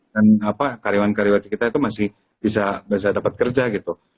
dan karyawan karyawati kita itu masih bisa dapat kerja gitu